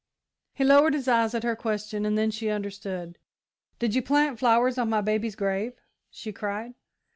He lowered his eyes at her question, and then she understood. "Did you plant flowers on my baby's grave?" she cried.